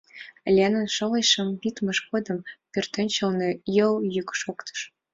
Ленан шовычым пидмыж годым пӧртӧнчылнӧ йол йӱк шоктыш.